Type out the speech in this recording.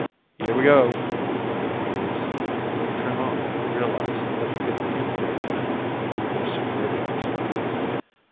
"Here we go!" grunted Peters, and Tremont realized that he could communicate again, over their suit radios.